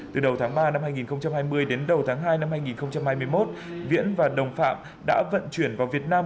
từ đầu tháng ba năm hai nghìn hai mươi đến đầu tháng hai năm hai nghìn hai mươi một viễn và đồng phạm đã vận chuyển vào việt nam